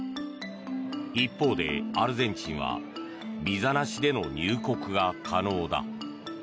一方でアルゼンチンはビザなしでの入国が可能だ。